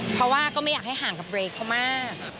เพราะว่าก็ไม่อยากให้ห่างกับเบรกเขามาก